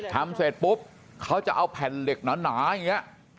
ทำเสร็จปุ๊บเขาจะเอาแผ่นเหล็กหนาอย่างนี้